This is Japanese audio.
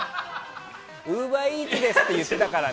ウーバーイーツですって言ってたからね。